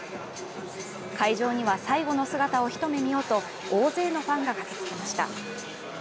会場には最後の姿をひと目見ようと、大勢のファンが駆けつけました。